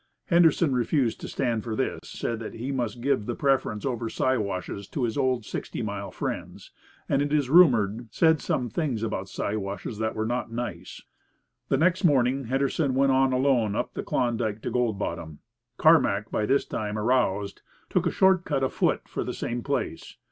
Henderson refused to stand for this, said that he must give the preference over Siwashes to his old Sixty Mile friends, and, it is rumoured, said some things about Siwashes that were not nice. The next morning Henderson went on alone up the Klondike to Gold Bottom. Carmack, by this time aroused, took a short cut afoot for the same place.